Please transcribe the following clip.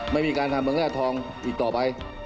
ไม่มีการทำเมืองแร่ทองอีกต่อไป